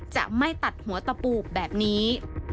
จะไม่ตัดหัวตะปูแบบนี้